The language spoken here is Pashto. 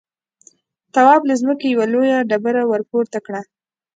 تواب له ځمکې يوه لويه ډبره ورپورته کړه.